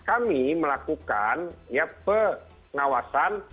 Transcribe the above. kami melakukan pengawasan